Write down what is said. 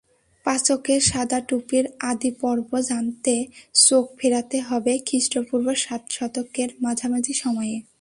পাচকের সাদা টুপির আদিপর্ব জানতে চোখ ফেরাতে হবে খ্রিষ্টপূর্ব সাত শতকের মাঝামাঝি সময়ে।